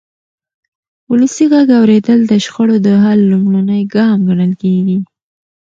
ولسي غږ اورېدل د شخړو د حل لومړنی ګام ګڼل کېږي